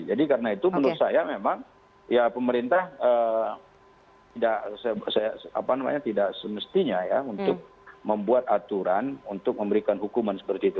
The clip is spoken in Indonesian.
jadi karena itu menurut saya memang ya pemerintah tidak semestinya ya untuk membuat aturan untuk memberikan hukuman seperti itu